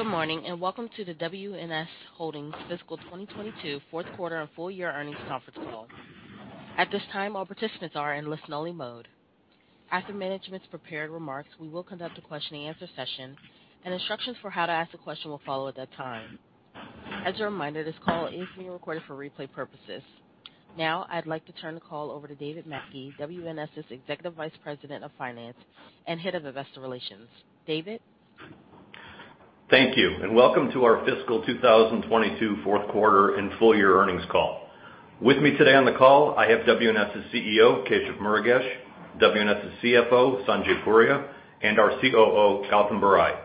Good morning, and welcome to the WNS Holdings Fiscal 2022 fourth quarter and full year earnings conference call. At this time, all participants are in listen-only mode. After management's prepared remarks, we will conduct a question-and-answer session, and instructions for how to ask a question will follow at that time. As a reminder, this call is being recorded for replay purposes. Now, I'd like to turn the call over to David Mackey, WNS's Executive Vice President of Finance and Head of Investor Relations. David? Thank you, and welcome to our fiscal 2022 fourth quarter and full year earnings call. With me today on the call I have WNS's CEO, Keshav Murugesh, WNS's CFO, Sanjay Puria, and our COO, Gautam Barai.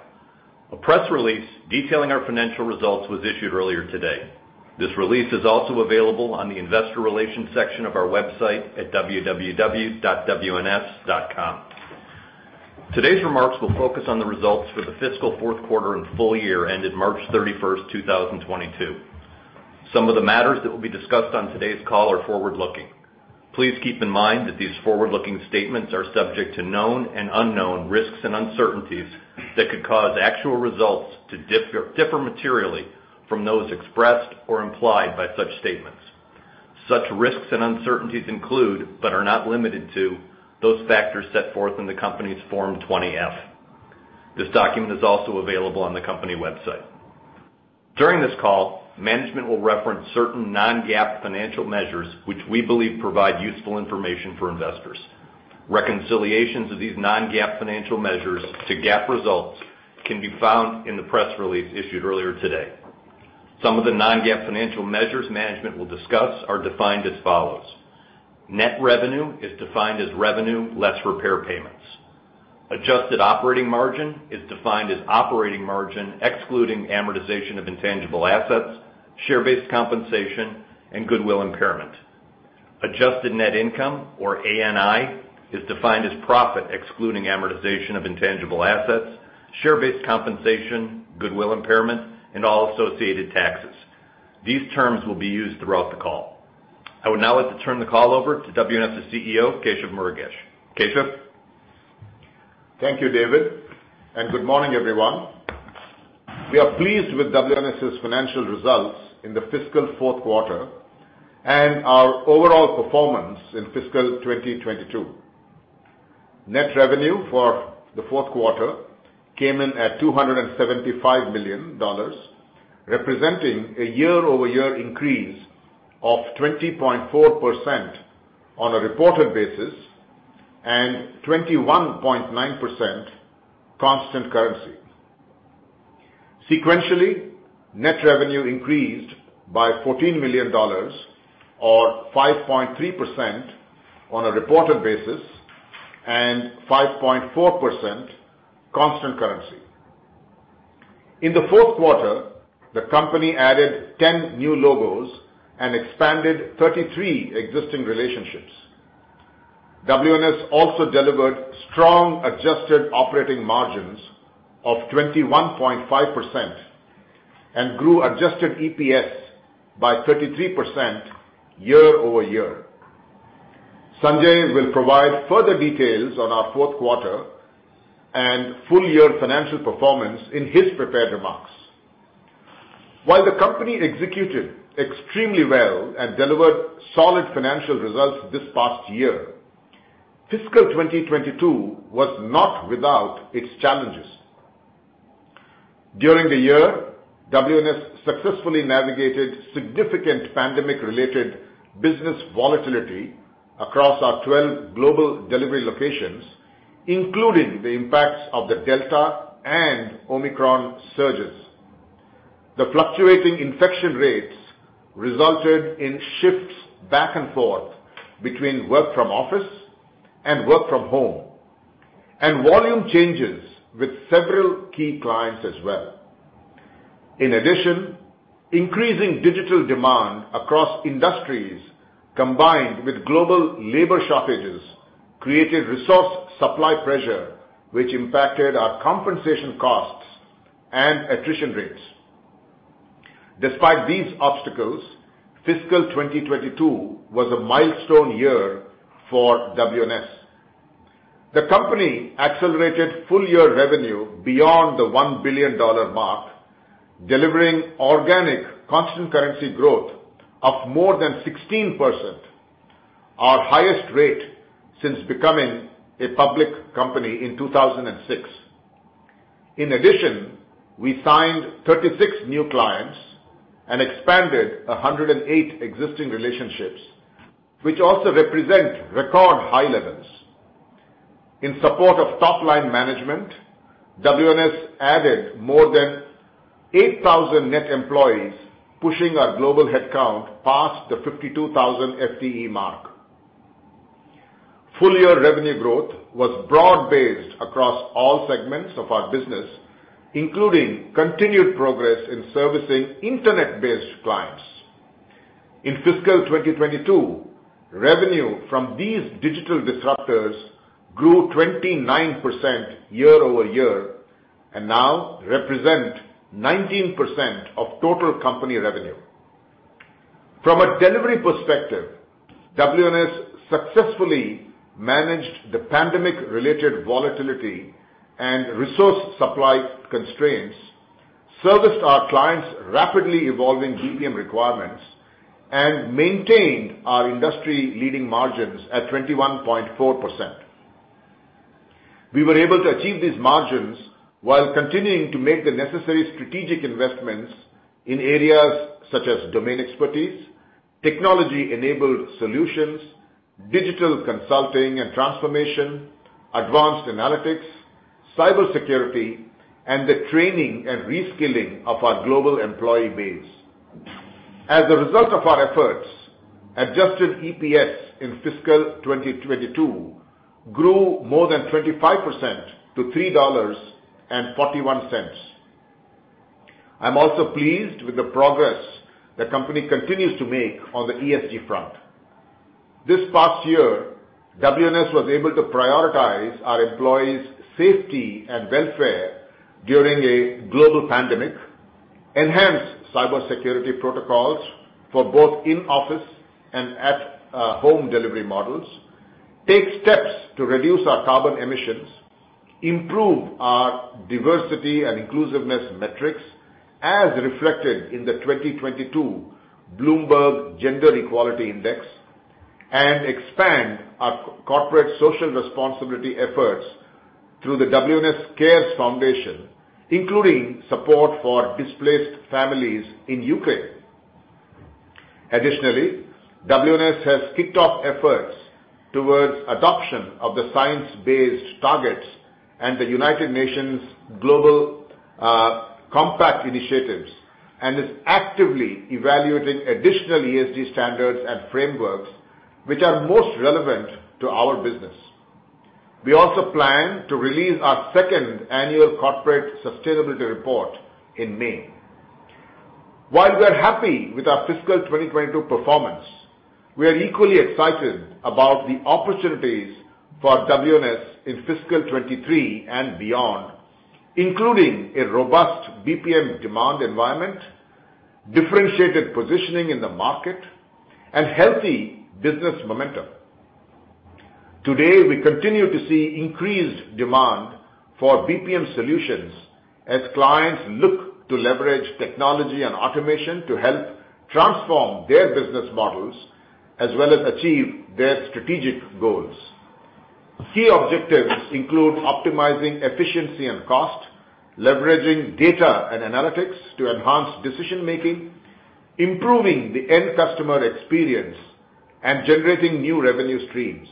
A press release detailing our financial results was issued earlier today. This release is also available on the investor relations section of our website at www.wns.com. Today's remarks will focus on the results for the fiscal fourth quarter and full year ended March 31, 2022. Some of the matters that will be discussed on today's call are forward-looking. Please keep in mind that these forward-looking statements are subject to known and unknown risks and uncertainties that could cause actual results to differ materially from those expressed or implied by such statements. Such risks and uncertainties include, but are not limited to, those factors set forth in the company's Form 20-F. This document is also available on the company website. During this call, management will reference certain non-GAAP financial measures which we believe provide useful information for investors. Reconciliations of these non-GAAP financial measures to GAAP results can be found in the press release issued earlier today. Some of the non-GAAP financial measures management will discuss are defined as follows: Net revenue is defined as revenue less repair payments. Adjusted operating margin is defined as operating margin excluding amortization of intangible assets, share-based compensation, and goodwill impairment. Adjusted net income, or ANI, is defined as profit excluding amortization of intangible assets, share-based compensation, goodwill impairment, and all associated taxes. These terms will be used throughout the call. I would now like to turn the call over to WNS's CEO, Keshav Murugesh. Keshav? Thank you, David, and good morning, everyone. We are pleased with WNS's financial results in the fiscal fourth quarter and our overall performance in fiscal 2022. Net revenue for the fourth quarter came in at $275 million, representing a year-over-year increase of 20.4% on a reported basis, and 21.9% constant currency. Sequentially, net revenue increased by $14 million or 5.3% on a reported basis, and 5.4% constant currency. In the fourth quarter, the company added 10 new logos and expanded 33 existing relationships. WNS also delivered strong adjusted operating margins of 21.5% and grew adjusted EPS by 33% year-over-year. Sanjay will provide further details on our fourth quarter and full year financial performance in his prepared remarks. While the company executed extremely well and delivered solid financial results this past year, fiscal 2022 was not without its challenges. During the year, WNS successfully navigated significant pandemic-related business volatility across our 12 global delivery locations, including the impacts of the Delta and Omicron surges. The fluctuating infection rates resulted in shifts back and forth between work from office and work from home, and volume changes with several key clients as well. In addition, increasing digital demand across industries, combined with global labor shortages, created resource supply pressure, which impacted our compensation costs and attrition rates. Despite these obstacles, fiscal 2022 was a milestone year for WNS. The company accelerated full year revenue beyond the $1 billion mark, delivering organic constant currency growth of more than 16%, our highest rate since becoming a public company in 2006. In addition, we signed 36 new clients and expanded 108 existing relationships, which also represent record high levels. In support of top-line management, WNS added more than 8,000 net employees, pushing our global headcount past the 52,000 FTE mark. Full year revenue growth was broad-based across all segments of our business, including continued progress in servicing Internet-based clients. In fiscal 2022, revenue from these digital disruptors grew 29% year-over-year and now represent 19% of total company revenue. From a delivery perspective, WNS successfully managed the pandemic-related volatility and resource supply constraints, serviced our clients' rapidly evolving BPM requirements, and maintained our industry leading margins at 21.4%. We were able to achieve these margins while continuing to make the necessary strategic investments in areas such as domain expertise, technology-enabled solutions, digital consulting and transformation, advanced analytics, cybersecurity, and the training and reskilling of our global employee base. As a result of our efforts, adjusted EPS in fiscal 2022 grew more than 25% to $3.41. I'm also pleased with the progress the company continues to make on the ESG front. This past year, WNS was able to prioritize our employees' safety and welfare during a global pandemic, enhance cybersecurity protocols for both in-office and at-home delivery models, take steps to reduce our carbon emissions, improve our diversity and inclusiveness metrics as reflected in the 2022 Bloomberg Gender-Equality Index, and expand our corporate social responsibility efforts through the WNS Cares Foundation, including support for displaced families in Ukraine. Additionally, WNS has kicked off efforts towards adoption of the science-based targets and the United Nations Global Compact initiatives and is actively evaluating additional ESG standards and frameworks which are most relevant to our business. We also plan to release our second annual corporate sustainability report in May. While we are happy with our fiscal 2022 performance, we are equally excited about the opportunities for WNS in fiscal 2023 and beyond, including a robust BPM demand environment, differentiated positioning in the market and healthy business momentum. Today, we continue to see increased demand for BPM solutions as clients look to leverage technology and automation to help transform their business models as well as achieve their strategic goals. Key objectives include optimizing efficiency and cost, leveraging data and analytics to enhance decision-making, improving the end customer experience, and generating new revenue streams.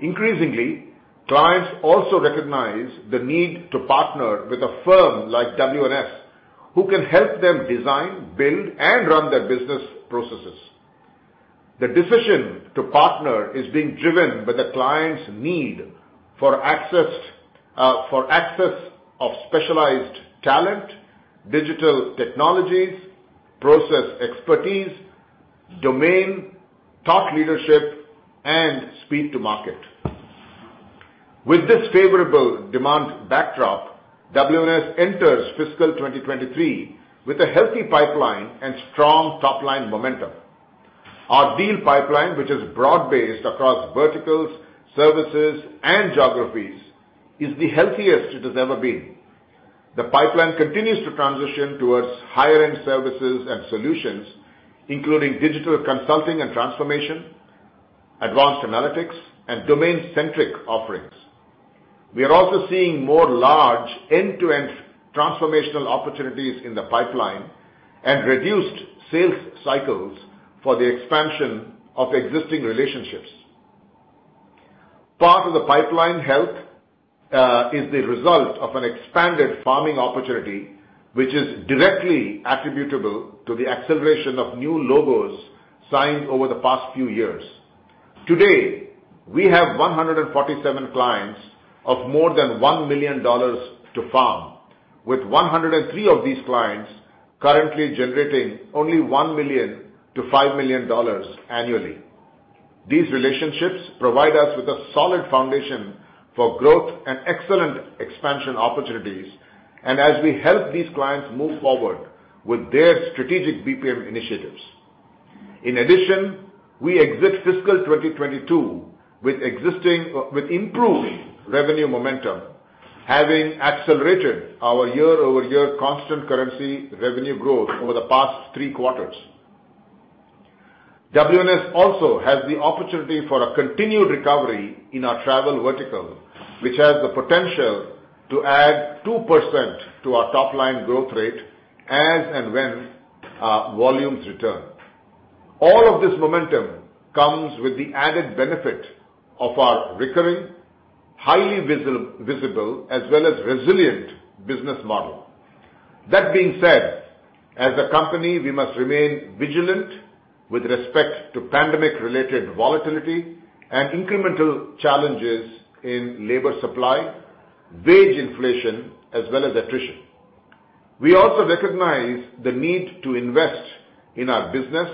Increasingly, clients also recognize the need to partner with a firm like WNS who can help them design, build, and run their business processes. The decision to partner is being driven by the client's need for access of specialized talent, digital technologies, process expertise, domain, thought leadership, and speed to market. With this favorable demand backdrop, WNS enters fiscal 2023 with a healthy pipeline and strong top-line momentum. Our deal pipeline, which is broad-based across verticals, services, and geographies, is the healthiest it has ever been. The pipeline continues to transition towards higher-end services and solutions, including digital consulting and transformation, advanced analytics, and domain-centric offerings. We are also seeing more large end-to-end transformational opportunities in the pipeline and reduced sales cycles for the expansion of existing relationships. Part of the pipeline health is the result of an expanded farming opportunity, which is directly attributable to the acceleration of new logos signed over the past few years. Today, we have 147 clients of more than $1 million to farm, with 103 of these clients currently generating only $1 million-$5 million annually. These relationships provide us with a solid foundation for growth and excellent expansion opportunities as we help these clients move forward with their strategic BPM initiatives. In addition, we exit fiscal 2022 with improved revenue momentum, having accelerated our year-over-year constant currency revenue growth over the past three quarters. WNS also has the opportunity for a continued recovery in our travel vertical, which has the potential to add 2% to our top-line growth rate as and when volumes return. All of this momentum comes with the added benefit of our recurring, highly visible, as well as resilient business model. That being said, as a company, we must remain vigilant with respect to pandemic-related volatility and incremental challenges in labor supply, wage inflation, as well as attrition. We also recognize the need to invest in our business,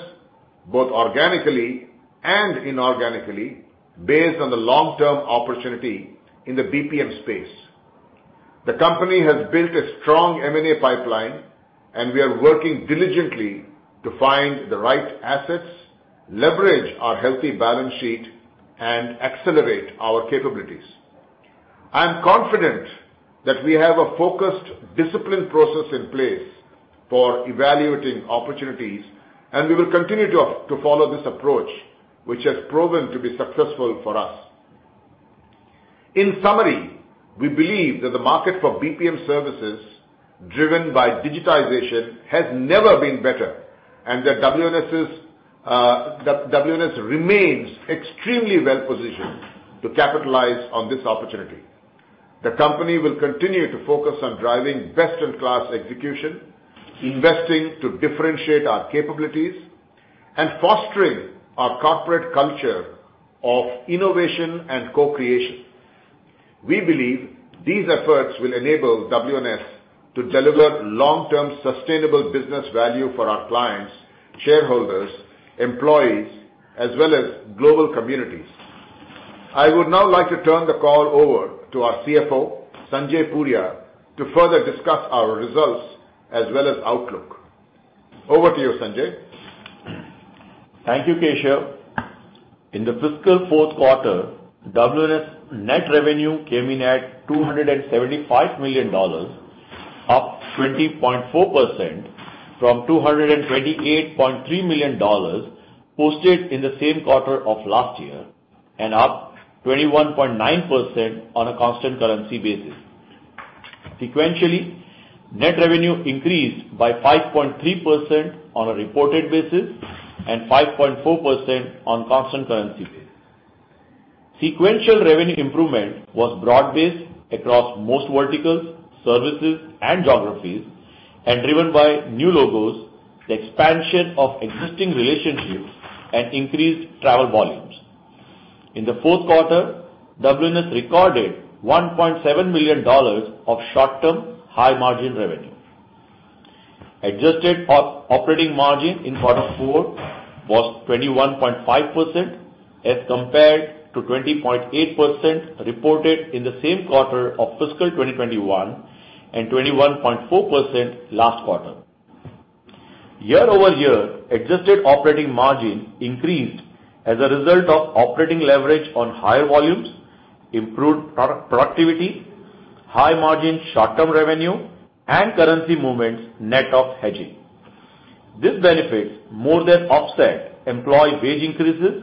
both organically and inorganically based on the long-term opportunity in the BPM space. The company has built a strong M&A pipeline, and we are working diligently to find the right assets, leverage our healthy balance sheet, and accelerate our capabilities. I am confident that we have a focused, disciplined process in place for evaluating opportunities, and we will continue to follow this approach, which has proven to be successful for us. In summary, we believe that the market for BPM services driven by digitization has never been better, and that WNS remains extremely well-positioned to capitalize on this opportunity. The company will continue to focus on driving best-in-class execution, investing to differentiate our capabilities, and fostering our corporate culture of innovation and co-creation. We believe these efforts will enable WNS to deliver long-term sustainable business value for our clients, shareholders, employees, as well as global communities. I would now like to turn the call over to our CFO, Sanjay Puria, to further discuss our results as well as outlook. Over to you, Sanjay. Thank you, Keshav. In the fiscal fourth quarter, WNS net revenue came in at $275 million, up 20.4% from $228.3 million posted in the same quarter of last year and up 21.9% on a constant currency basis. Sequentially, net revenue increased by 5.3% on a reported basis and 5.4% on constant currency basis. Sequential revenue improvement was broad-based across most verticals, services, and geographies, and driven by new logos, the expansion of existing relationships, and increased travel volumes. In the fourth quarter, WNS recorded $1.7 million of short-term high-margin revenue. Adjusted operating margin in quarter four was 21.5% as compared to 20.8% reported in the same quarter of fiscal 2021 and 21.4% last quarter. Year over year, adjusted operating margin increased as a result of operating leverage on higher volumes, improved productivity, high margin short-term revenue, and currency movements net of hedging. These benefits more than offset employee wage increases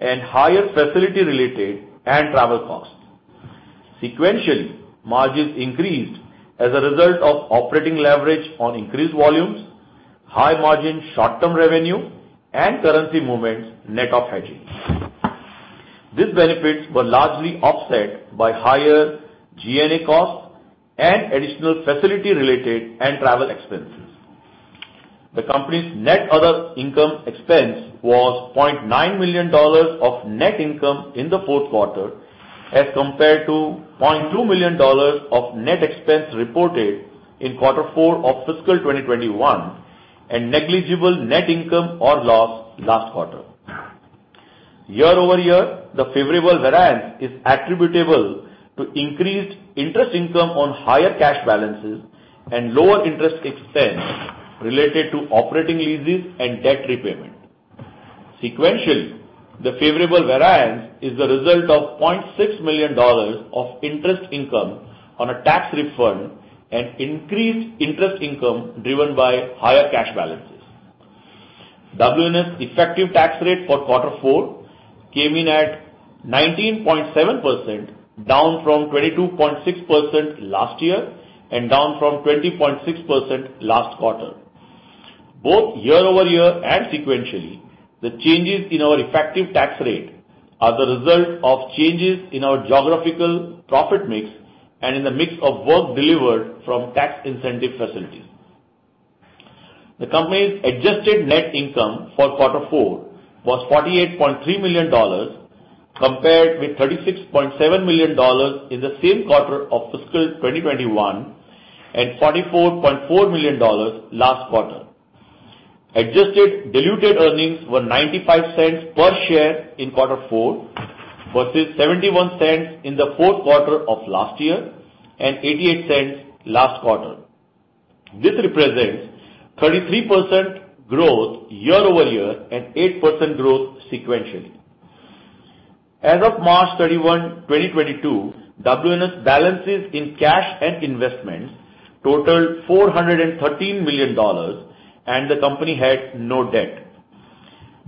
and higher facility-related and travel costs. Sequentially, margins increased as a result of operating leverage on increased volumes, high margin short-term revenue, and currency movements net of hedging. These benefits were largely offset by higher G&A costs and additional facility-related and travel expenses. The company's net other income expense was $0.9 million of net income in the fourth quarter, as compared to $0.2 million of net expense reported in quarter four of fiscal 2021 and negligible net income or loss last quarter. Year over year, the favorable variance is attributable to increased interest income on higher cash balances and lower interest expense related to operating leases and debt repayment. Sequentially, the favorable variance is the result of $0.6 million of interest income on a tax refund and increased interest income driven by higher cash balances. WNS effective tax rate for quarter four came in at 19.7%, down from 22.6% last year and down from 20.6% last quarter. Both year-over-year and sequentially, the changes in our effective tax rate are the result of changes in our geographical profit mix and in the mix of work delivered from tax incentive facilities. The company's adjusted net income for quarter four was $48.3 million, compared with $36.7 million in the same quarter of fiscal 2021 and $44.4 million last quarter. Adjusted diluted earnings were $0.95 per share in quarter four versus $0.71 in the fourth quarter of last year and $0.88 last quarter. This represents 33% growth year-over-year and 8% growth sequentially. As of March 31, 2022, WNS balances in cash and investments totaled $413 million, and the company had no debt.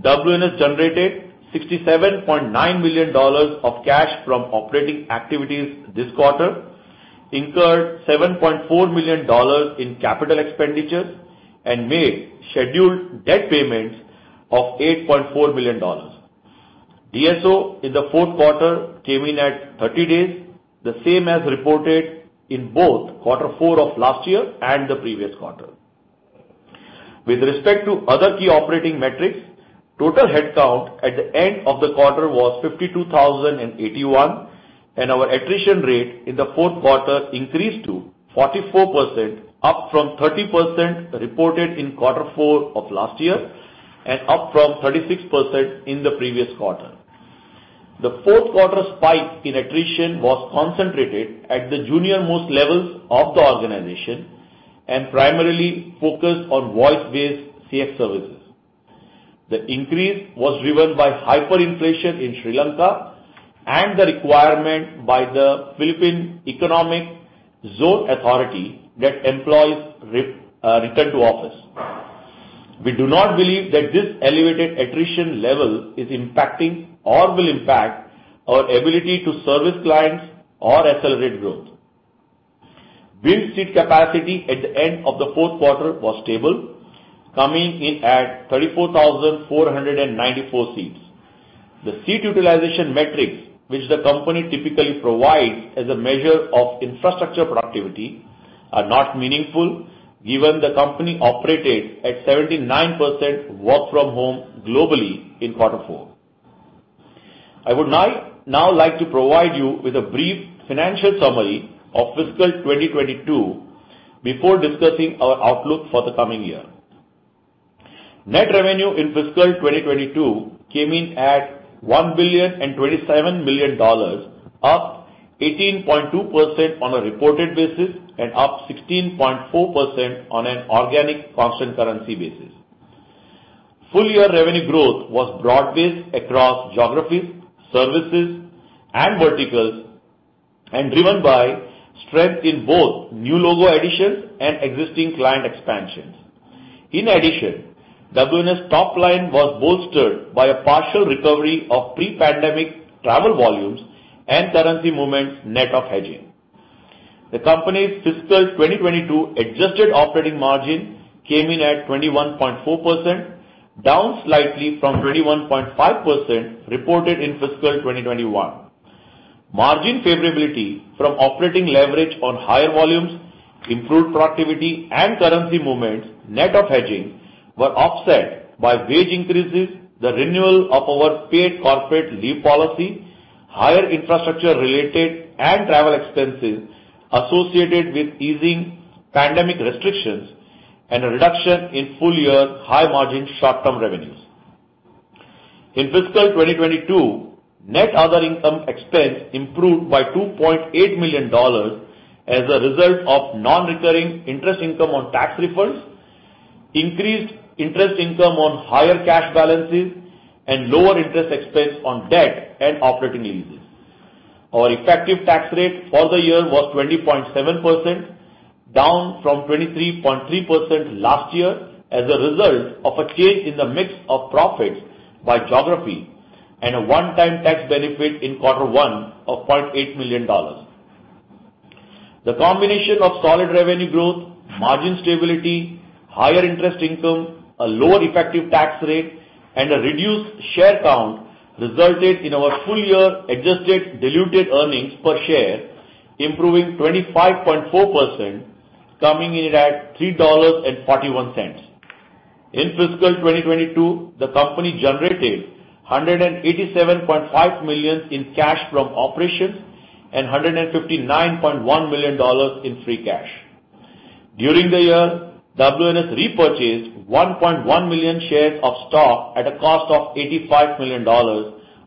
WNS generated $67.9 million of cash from operating activities this quarter, incurred $7.4 million in capital expenditures, and made scheduled debt payments of $8.4 million. DSO in the fourth quarter came in at 30 days, the same as reported in both quarter four of last year and the previous quarter. With respect to other key operating metrics, total headcount at the end of the quarter was 52,081, and our attrition rate in the fourth quarter increased to 44%, up from 30% reported in quarter four of last year and up from 36% in the previous quarter. The fourth quarter spike in attrition was concentrated at the junior most levels of the organization and primarily focused on voice-based CX services. The increase was driven by hyperinflation in Sri Lanka and the requirement by the Philippine Economic Zone Authority that employees return to office. We do not believe that this elevated attrition level is impacting or will impact our ability to service clients or accelerate growth. Billed seat capacity at the end of the fourth quarter was stable, coming in at 34,494 seats. The seat utilization metrics which the company typically provides as a measure of infrastructure productivity are not meaningful, given the company operated at 79% work from home globally in quarter four. I would now like to provide you with a brief financial summary of fiscal 2022 before discussing our outlook for the coming year. Net revenue in fiscal 2022 came in at $1.027 billion, up 18.2% on a reported basis and up 16.4% on an organic constant currency basis. Full year revenue growth was broad-based across geographies, services, and verticals, and driven by strength in both new logo additions and existing client expansions. In addition, WNS top line was bolstered by a partial recovery of pre-pandemic travel volumes and currency movements net of hedging. The company's fiscal 2022 adjusted operating margin came in at 21.4%, down slightly from 21.5% reported in fiscal 2021. Margin favorability from operating leverage on higher volumes, improved productivity and currency movements net of hedging were offset by wage increases, the renewal of our paid corporate leave policy, higher infrastructure related and travel expenses associated with easing pandemic restrictions, and a reduction in full year high margin short-term revenues. In fiscal 2022, net other income expense improved by $2.8 million as a result of non-recurring interest income on tax refunds, increased interest income on higher cash balances, and lower interest expense on debt and operating leases. Our effective tax rate for the year was 20.7%, down from 23.3% last year as a result of a change in the mix of profits by geography and a one-time tax benefit in quarter one of $0.8 million. The combination of solid revenue growth, margin stability, higher interest income, a lower effective tax rate, and a reduced share count resulted in our full year adjusted diluted earnings per share, improving 25.4%, coming in at $3.41. In fiscal 2022, the company generated $187.5 million in cash from operations and $159.1 million in free cash. During the year, WNS repurchased 1.1 million shares of stock at a cost of $85 million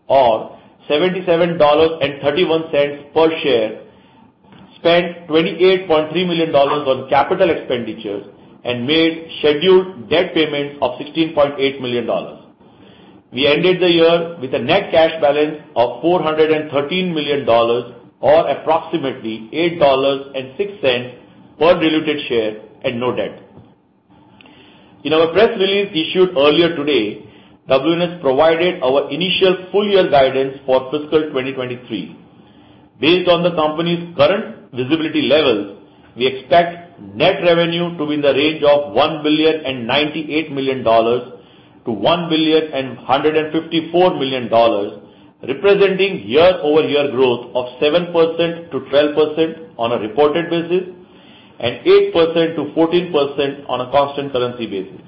or $77.31 per share, spent $28.3 million on capital expenditures and made scheduled debt payments of $16.8 million. We ended the year with a net cash balance of $413 million or approximately $8.06 per diluted share and no debt. In our press release issued earlier today, WNS provided our initial full year guidance for fiscal 2023. Based on the company's current visibility levels, we expect net revenue to be in the range of $1.098 billion-$1.154 billion, representing year-over-year growth of 7%-12% on a reported basis and 8%-14% on a constant currency basis.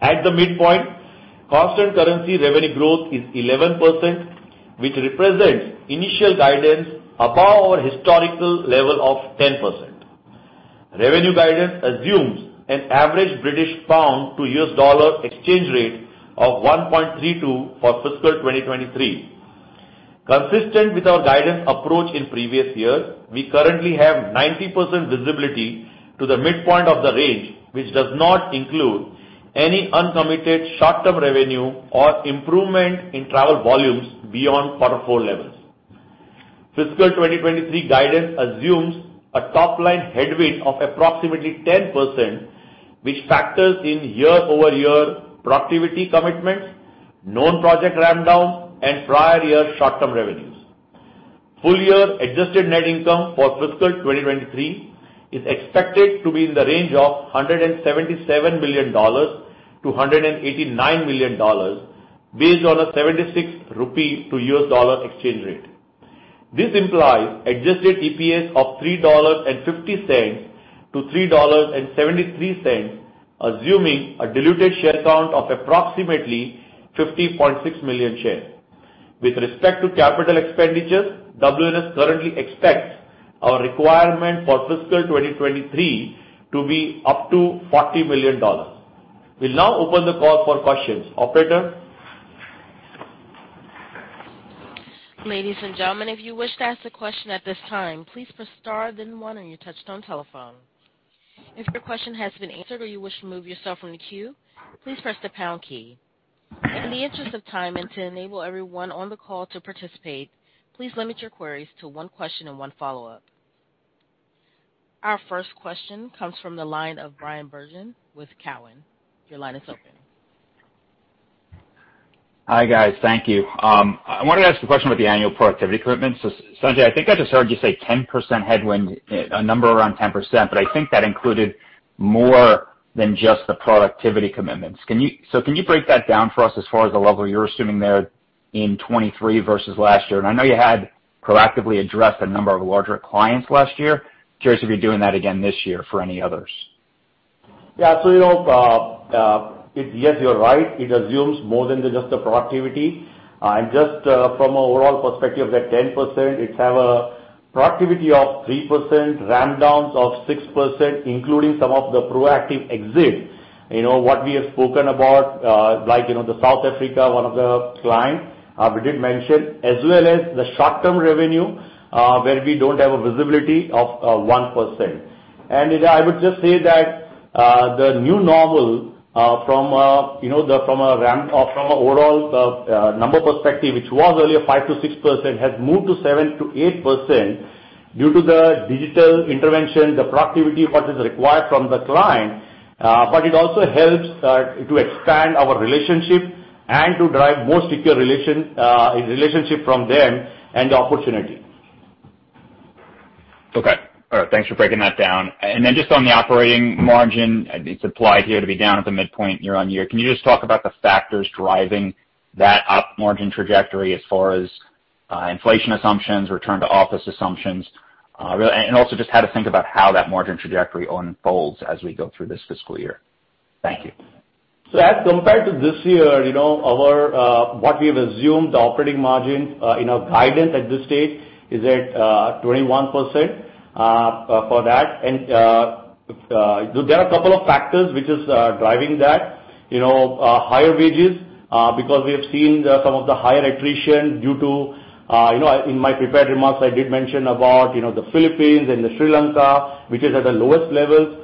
At the midpoint, constant currency revenue growth is 11%, which represents initial guidance above our historical level of 10%. Revenue guidance assumes an average British pound to U.S. dollar exchange rate of 1.32 for fiscal 2023. Consistent with our guidance approach in previous years, we currently have 90% visibility to the midpoint of the range, which does not include any uncommitted short-term revenue or improvement in travel volumes beyond quarter four levels. Fiscal 2023 guidance assumes a top-line headwind of approximately 10%, which factors in year-over-year productivity commitments, known project ramp downs, and prior year short-term revenues. Full year adjusted net income for fiscal 2023 is expected to be in the range of $177 million-$189 million based on a 76 rupee to U.S. dollar exchange rate. This implies adjusted EPS of $3.50-$3.73, assuming a diluted share count of approximately 50.6 million shares. With respect to capital expenditures, WNS currently expects our requirement for fiscal 2023 to be up to $40 million. We'll now open the call for questions. Operator? Ladies and gentlemen, if you wish to ask a question at this time, please press star then one on your touch-tone telephone. If your question has been answered or you wish to move yourself from the queue, please press the pound key. In the interest of time and to enable everyone on the call to participate, please limit your queries to one question and one follow-up. Our first question comes from the line of Bryan Bergin with Cowen. Your line is open. Hi, guys. Thank you. I wanted to ask a question about the annual productivity commitments. Sanjay, I think I just heard you say 10% headwind, a number around 10%, but I think that included more than just the productivity commitments. Can you break that down for us as far as the level you're assuming there in 2023 versus last year? I know you had proactively addressed a number of larger clients last year. Curious if you're doing that again this year for any others. Yeah. You know, yes, you're right. It assumes more than just the productivity. From an overall perspective, that 10%, it have a productivity of 3%, ramp downs of 6%, including some of the proactive exits. You know, what we have spoken about, like, you know, the South Africa, one of the clients, we did mention, as well as the short-term revenue, where we don't have a visibility of 1%. You know, I would just say that the new normal from a ramp up from a overall number perspective, which was earlier 5%-6%, has moved to 7%-8% due to the digital intervention, the productivity, what is required from the client, but it also helps to expand our relationship and to drive more secure relationship from them and the opportunity. Okay. All right, thanks for breaking that down. Just on the operating margin, it's implied here to be down at the midpoint year-over-year. Can you just talk about the factors driving that operating margin trajectory as far as inflation assumptions, return to office assumptions, and also just how to think about how that margin trajectory unfolds as we go through this fiscal year. Thank you. As compared to this year, you know, our what we've assumed the operating margin in our guidance at this stage is at 21% for that. There are a couple of factors which is driving that. You know, higher wages because we have seen some of the higher attrition due to, you know, in my prepared remarks, I did mention about, you know, the Philippines and Sri Lanka, which is at the lowest levels.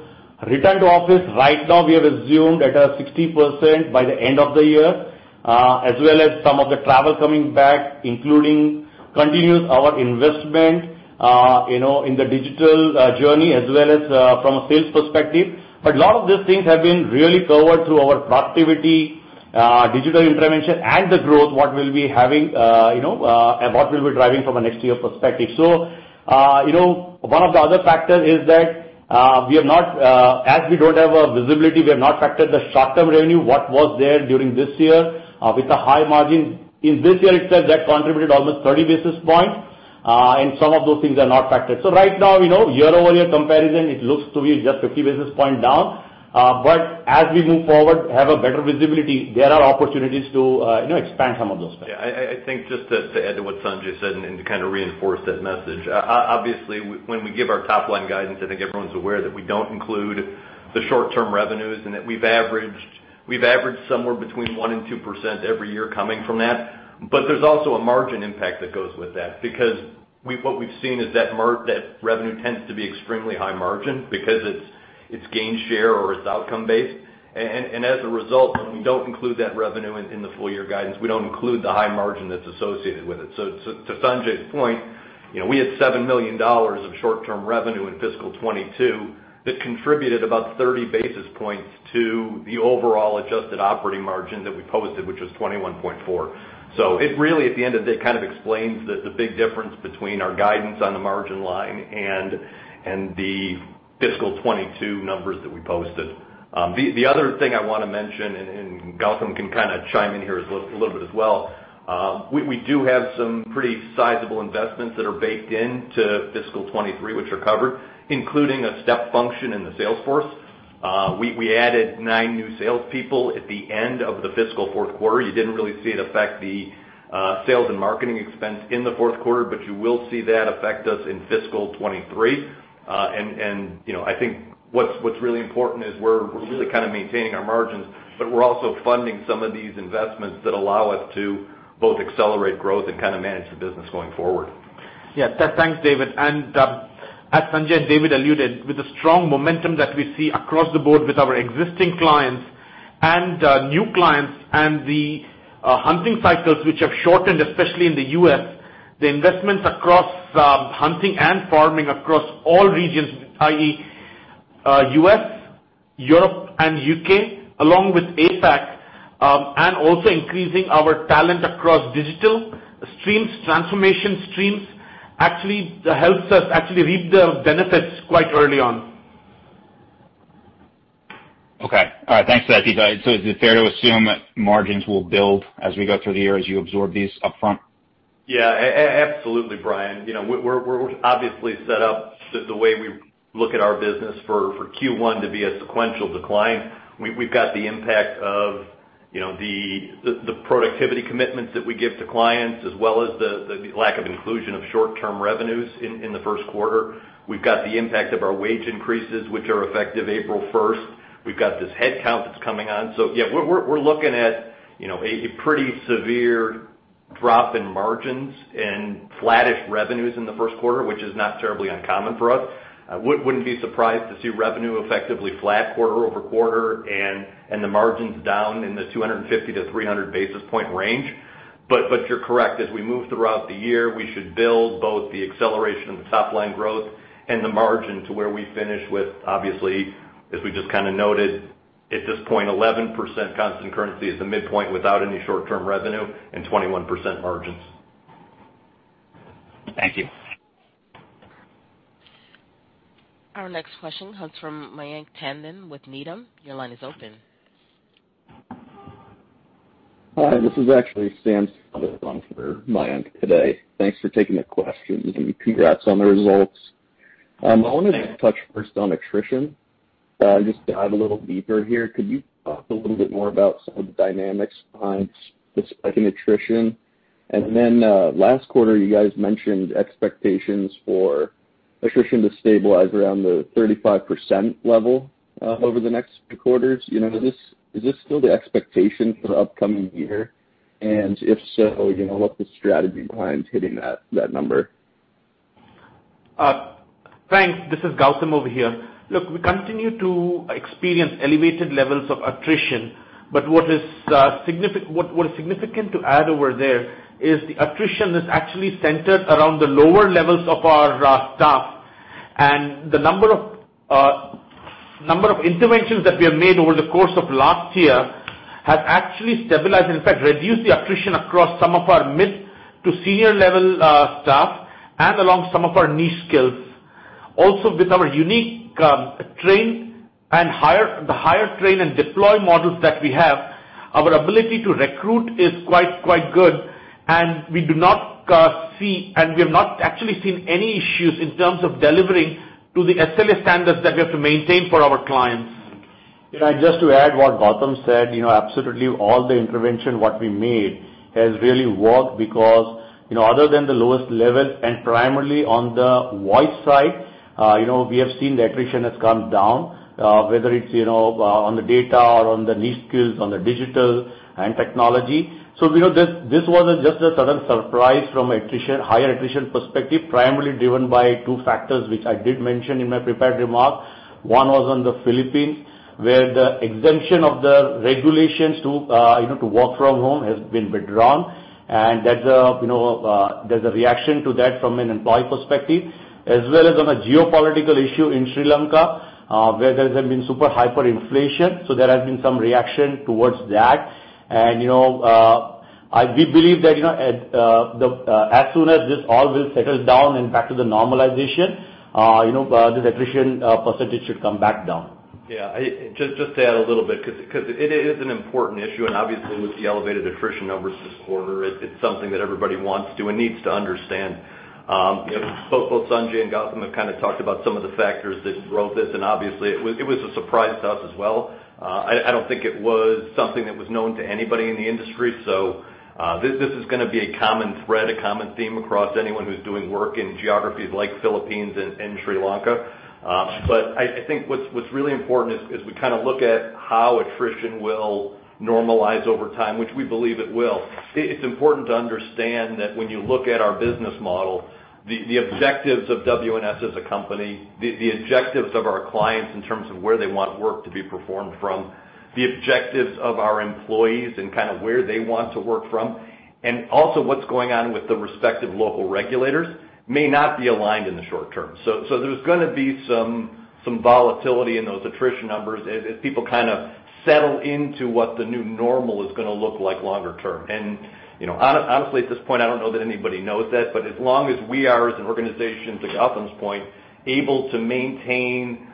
Return to office right now, we have assumed at a 60% by the end of the year, as well as some of the travel coming back, including continuing our investment, you know, in the digital journey as well as from a sales perspective. A lot of these things have been really covered through our productivity, digital intervention and the growth, what we'll be having, you know, and what we'll be driving from a next year perspective. One of the other factor is that, as we don't have a visibility, we have not factored the short-term revenue, what was there during this year, with a high margin. In this year itself, that contributed almost 30 basis points, and some of those things are not factored. Right now, you know, year-over-year comparison, it looks to be just 50 basis point down. As we move forward, have a better visibility, there are opportunities to, you know, expand some of those things. Yeah, I think just to add to what Sanjay said and to kind of reinforce that message, obviously, when we give our top line guidance, I think everyone's aware that we don't include the short-term revenues and that we've averaged somewhere between 1% and 2% every year coming from that. There's also a margin impact that goes with that because what we've seen is that revenue tends to be extremely high margin because it's gain share or it's outcome based. As a result, when we don't include that revenue in the full year guidance, we don't include the high margin that's associated with it. To Sanjay's point, you know, we had $7 million of short-term revenue in fiscal 2022 that contributed about 30 basis points to the overall adjusted operating margin that we posted, which was 21.4%. It really, at the end of the day, kind of explains the big difference between our guidance on the margin line and the fiscal 2022 numbers that we posted. The other thing I want to mention, Gautam can kind of chime in here a little bit as well, we do have some pretty sizable investments that are baked in to fiscal 2023, which are covered, including a step function in the sales force. We added nine new salespeople at the end of the fiscal fourth quarter. You didn't really see it affect the sales and marketing expense in the fourth quarter, but you will see that affect us in fiscal 2023. You know, I think what's really important is we're really kind of maintaining our margins, but we're also funding some of these investments that allow us to both accelerate growth and kind of manage the business going forward. Yeah. Thanks, David. As Sanjay and David alluded, with the strong momentum that we see across the board with our existing clients and new clients and the hunting cycles which have shortened, especially in the U.S., the investments across hunting and farming across all regions, i.e., U.S., Europe and U.K., along with APAC, and also increasing our talent across digital streams, transformation streams, actually helps us actually reap the benefits quite early on. Okay. All right. Thanks for that detail. Is it fair to assume that margins will build as we go through the year as you absorb these upfront? Yeah. Absolutely, Bryan. You know, we're obviously set up the way we look at our business for Q1 to be a sequential decline. We've got the impact of, you know, the productivity commitments that we give to clients as well as the lack of inclusion of short-term revenues in the first quarter. We've got the impact of our wage increases, which are effective April first. We've got this headcount that's coming on. So yeah, we're looking at, you know, a pretty severe drop in margins and flattish revenues in the first quarter, which is not terribly uncommon for us. I wouldn't be surprised to see revenue effectively flat quarter-over-quarter and the margins down in the 250-300 basis point range. But you're correct. As we move throughout the year, we should build both the acceleration of the top line growth and the margin to where we finish with, obviously, as we just kind of noted, at this point, 11% constant currency is the midpoint without any short-term revenue and 21% margins. Thank you. Our next question comes from Mayank Tandon with Needham. Your line is open. Hi, this is actually Sam for Mayank today. Thanks for taking the question, and congrats on the results. I wanted to touch first on attrition, just to dive a little deeper here. Could you talk a little bit more about some of the dynamics behind the spike in attrition? Last quarter, you guys mentioned expectations for attrition to stabilize around the 35% level, over the next few quarters. You know, is this still the expectation for the upcoming year? If so, you know, what's the strategy behind hitting that number? Thanks. This is Gautam over here. Look, we continue to experience elevated levels of attrition, but what is significant to add over there is the attrition is actually centered around the lower levels of our staff. The number of interventions that we have made over the course of last year has actually stabilized, in fact, reduced the attrition across some of our mid to senior level staff and along some of our niche skills. Also, with our unique hire, train, and deploy models that we have, our ability to recruit is quite good, and we do not see, and we have not actually seen any issues in terms of delivering to the SLA standards that we have to maintain for our clients. Just to add what Gautam said, you know, absolutely all the intervention what we made has really worked because, you know, other than the lowest level and primarily on the wide side, you know, we have seen the attrition has come down, whether it's, you know, on the data or on the niche skills, on the digital and technology. So we know this was just a sudden surprise from attrition, higher attrition perspective, primarily driven by two factors, which I did mention in my prepared remarks. One was on the Philippines, where the exemption of the regulations to, you know, to work from home has been withdrawn. There's a, you know, there's a reaction to that from an employee perspective, as well as on a geopolitical issue in Sri Lanka, where there has been super hyperinflation. There has been some reaction towards that. You know, we believe that, you know, the as soon as this all will settle down and back to the normalization, you know, this attrition percentage should come back down. Just to add a little bit 'cause it is an important issue and obviously with the elevated attrition numbers this quarter, it's something that everybody wants to and needs to understand. You know, both Sanjay and Gautam have kinda talked about some of the factors that drove this, and obviously it was a surprise to us as well. I don't think it was something that was known to anybody in the industry. This is gonna be a common thread, a common theme across anyone who's doing work in geographies like Philippines and Sri Lanka. I think what's really important is we kinda look at how attrition will normalize over time, which we believe it will. It's important to understand that when you look at our business model, the objectives of WNS as a company, the objectives of our clients in terms of where they want work to be performed from, the objectives of our employees and kinda where they want to work from, and also what's going on with the respective local regulators may not be aligned in the short term. There's gonna be some volatility in those attrition numbers as people kind of settle into what the new normal is gonna look like longer term. You know, honestly, at this point, I don't know that anybody knows that. As long as we are, as an organization, to Gautam's point, able to maintain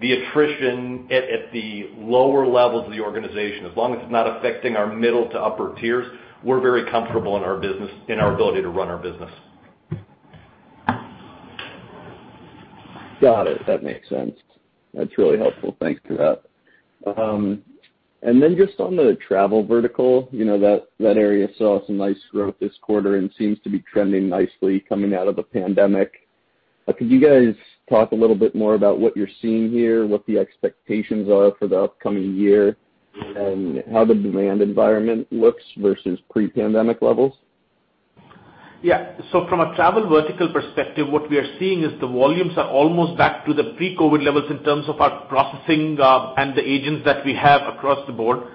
the attrition at the lower levels of the organization, as long as it's not affecting our middle to upper tiers, we're very comfortable in our business, in our ability to run our business. Got it. That makes sense. That's really helpful. Thanks for that. Just on the travel vertical, you know, that area saw some nice growth this quarter and seems to be trending nicely coming out of the pandemic. Could you guys talk a little bit more about what you're seeing here, what the expectations are for the upcoming year, and how the demand environment looks versus pre-pandemic levels? Yeah. From a travel vertical perspective, what we are seeing is the volumes are almost back to the pre-COVID levels in terms of our processing, and the agents that we have across the board.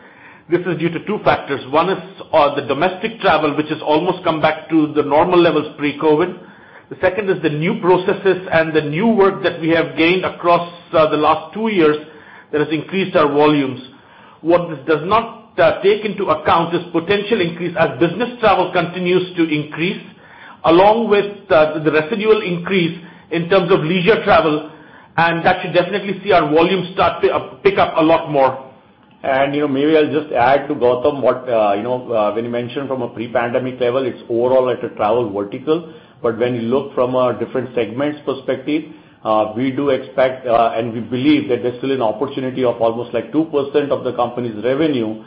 This is due to two factors. One is, the domestic travel, which has almost come back to the normal levels pre-COVID. The second is the new processes and the new work that we have gained across, the last two years that has increased our volumes. What this does not take into account is potential increase as business travel continues to increase, along with the residual increase in terms of leisure travel, and that should definitely see our volumes start pick up a lot more. You know, maybe I'll just add to Gautam what you know when you mentioned from a pre-pandemic level, it's overall at a travel vertical. When you look from a different segments perspective, we do expect and we believe that there's still an opportunity of almost like 2% of the company's revenue,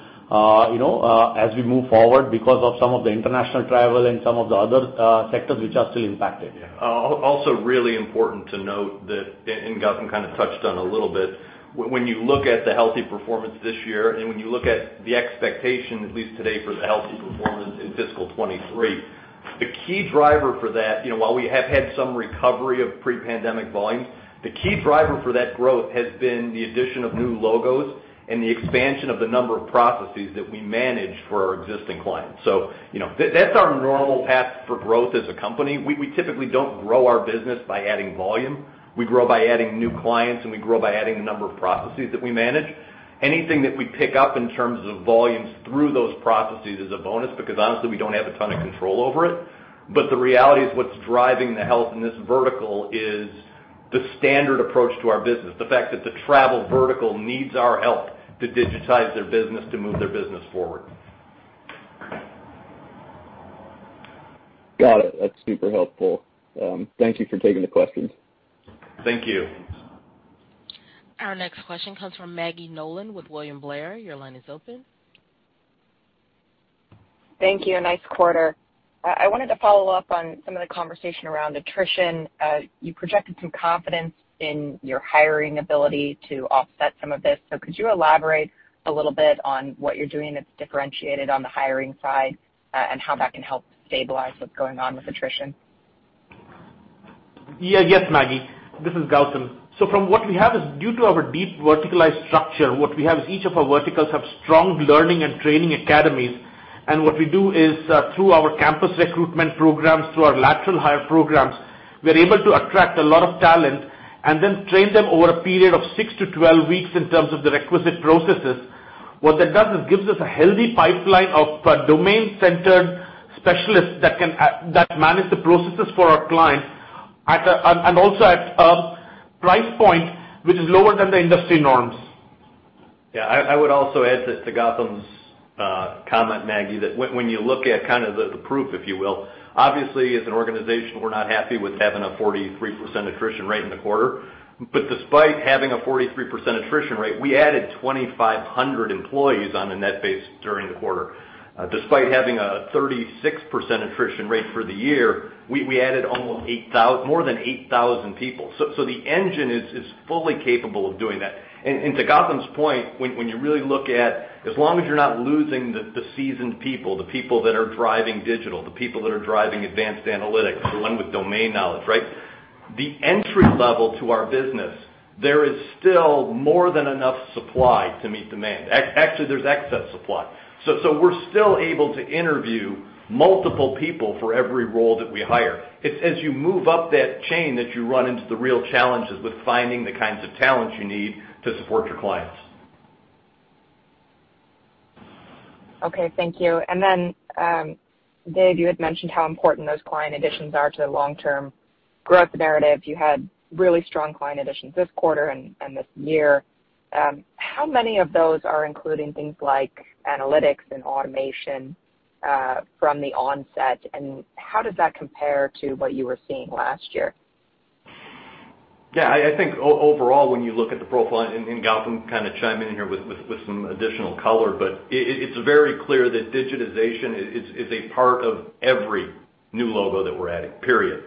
you know, as we move forward because of some of the international travel and some of the other sectors which are still impacted. Yeah. Also really important to note that, and Gautam kind of touched on a little bit, when you look at the healthy performance this year and when you look at the expectation, at least today, for the healthy performance in fiscal 2023, the key driver for that, you know, while we have had some recovery of pre-pandemic volumes, the key driver for that growth has been the addition of new logos and the expansion of the number of processes that we manage for our existing clients. You know, that's our normal path for growth as a company. We typically don't grow our business by adding volume, we grow by adding new clients, and we grow by adding the number of processes that we manage. Anything that we pick up in terms of volumes through those processes is a bonus because, honestly, we don't have a ton of control over it. The reality is what's driving the health in this vertical is the standard approach to our business, the fact that the travel vertical needs our help to digitize their business to move their business forward. Got it. That's super helpful. Thank you for taking the questions. Thank you. Our next question comes from Maggie Nolan with William Blair. Your line is open. Thank you. Nice quarter. I wanted to follow up on some of the conversation around attrition. You projected some confidence in your hiring ability to offset some of this. Could you elaborate a little bit on what you're doing that's differentiated on the hiring side, and how that can help stabilize what's going on with attrition? Yeah. Yes, Maggie. This is Gautam. From what we have is due to our deep verticalized structure, what we have is each of our verticals have strong learning and training academies. What we do is, through our campus recruitment programs, through our lateral hire programs, we are able to attract a lot of talent and then train them over a period of six to 12 weeks in terms of the requisite processes. What that does is gives us a healthy pipeline of domain-centric specialists that can manage the processes for our clients, and also at a price point which is lower than the industry norms. Yeah. I would also add to Gautam's comment, Maggie, that when you look at kind of the proof, if you will, obviously, as an organization, we're not happy with having a 43% attrition rate in the quarter. Despite having a 43% attrition rate, we added 2,500 employees on a net basis during the quarter. Despite having a 36% attrition rate for the year, we added more than 8,000 people. The engine is fully capable of doing that. To Gautam's point, when you really look at as long as you're not losing the seasoned people, the people that are driving digital, the people that are driving advanced analytics, the ones with domain knowledge, right? The entry level to our business, there is still more than enough supply to meet demand. Actually, there's excess supply. So we're still able to interview multiple people for every role that we hire. It's as you move up that chain that you run into the real challenges with finding the kinds of talent you need to support your clients. Okay. Thank you. Dave, you had mentioned how important those client additions are to the long-term growth narrative. You had really strong client additions this quarter and this year. How many of those are including things like analytics and automation from the onset, and how does that compare to what you were seeing last year? Yeah. I think overall, when you look at the profile, and Gautam kind of chime in here with some additional color, but it's very clear that digitization is a part of every new logo that we're adding, period.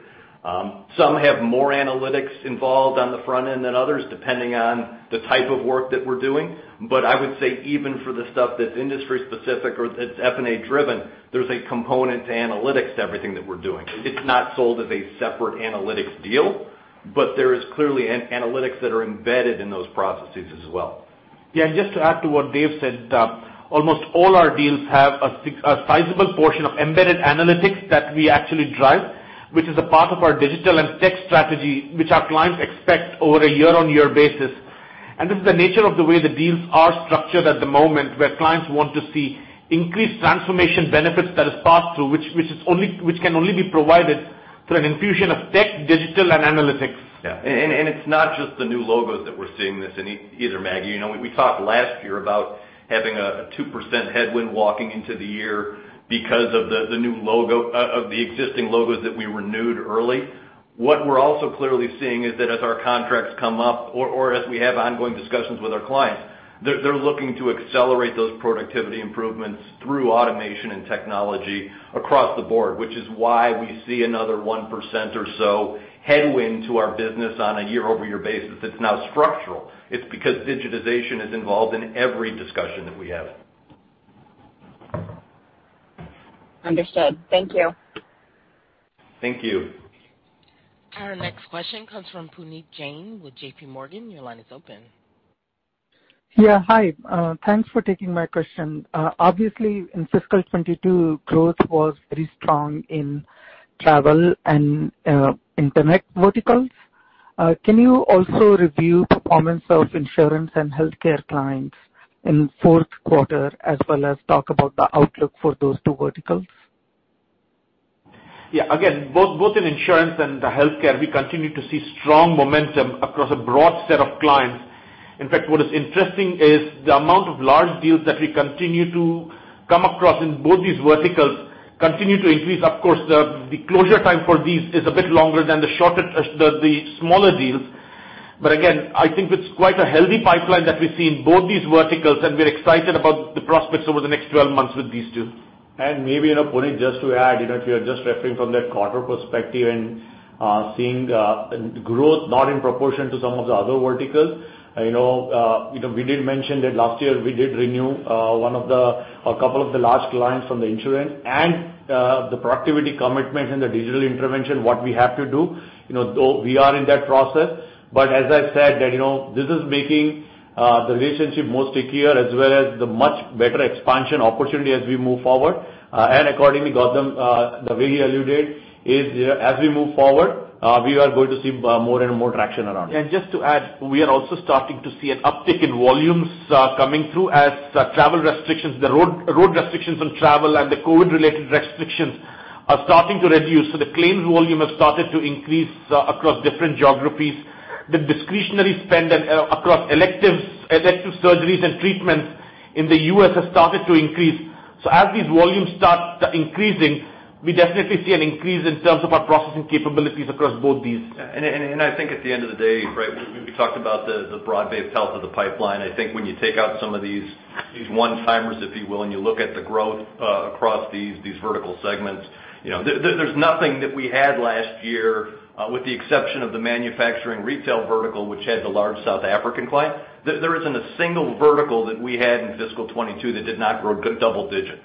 Some have more analytics involved on the front end than others, depending on the type of work that we're doing. I would say even for the stuff that's industry specific or that's F&A driven, there's a component to analytics to everything that we're doing. It's not sold as a separate analytics deal, but there is clearly analytics that are embedded in those processes as well. Yeah. Just to add to what Dave said, almost all our deals have a sizable portion of embedded analytics that we actually drive, which is a part of our digital and tech strategy, which our clients expect over a year-on-year basis. This is the nature of the way the deals are structured at the moment, where clients want to see increased transformation benefits that is passed through, which can only be provided through an infusion of tech, digital, and analytics. Yeah. It's not just the new logos that we're seeing this in either, Maggie. You know, we talked last year about having a 2% headwind walking into the year because of the new logos of the existing logos that we renewed early. What we're also clearly seeing is that as our contracts come up or as we have ongoing discussions with our clients, they're looking to accelerate those productivity improvements through automation and technology across the board, which is why we see another 1% or so headwind to our business on a year-over-year basis. It's now structural. It's because digitization is involved in every discussion that we have. Understood. Thank you. Thank you. Our next question comes from Puneet Jain with JPMorgan. Your line is open. Yeah. Hi. Thanks for taking my question. Obviously, in fiscal 2022, growth was very strong in travel and internet verticals. Can you also review performance of insurance and healthcare clients in fourth quarter as well as talk about the outlook for those two verticals? Yeah, again, both in insurance and healthcare, we continue to see strong momentum across a broad set of clients. In fact, what is interesting is the amount of large deals that we continue to come across in both these verticals continue to increase. Of course, the closure time for these is a bit longer than the shorter, the smaller deals. Again, I think it's quite a healthy pipeline that we see in both these verticals, and we're excited about the prospects over the next 12 months with these two. Maybe, you know, Puneet, just to add, you know, if you are just referring from that quarter perspective and, seeing, growth not in proportion to some of the other verticals, you know, we did mention that last year we did renew, a couple of the large clients from the insurance and, the productivity commitment and the digital intervention, what we have to do. You know, though we are in that process. As I said that, you know, this is making, the relationship more stickier as well as the much better expansion opportunity as we move forward. Accordingly, Gautam, the way he alluded is, as we move forward, we are going to see more and more traction around it. Just to add, we are also starting to see an uptick in volumes coming through as travel restrictions, road restrictions on travel and the COVID-related restrictions are starting to reduce. The claims volume have started to increase across different geographies. The discretionary spend and across elective surgeries and treatments in the U.S. have started to increase. As these volumes start increasing, we definitely see an increase in terms of our processing capabilities across both these. I think at the end of the day, right, we talked about the broad-based health of the pipeline. I think when you take out some of these one-timers, if you will, and you look at the growth across these vertical segments, you know, there's nothing that we had last year with the exception of the manufacturing retail vertical, which had the large South African client. There isn't a single vertical that we had in fiscal 2022 that did not grow good double digits.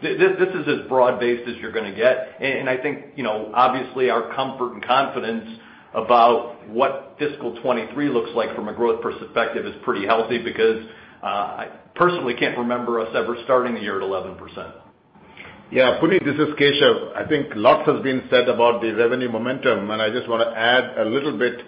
This is as broad-based as you're gonna get. I think, you know, obviously our comfort and confidence about what fiscal 2023 looks like from a growth perspective is pretty healthy because I personally can't remember us ever starting the year at 11%. Yeah, Puneet, this is Keshav. I think lots has been said about the revenue momentum, and I just wanna add a little bit